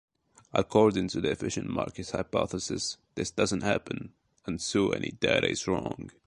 According to the efficient-market hypothesis, this doesn't happen, and so any data is wrong.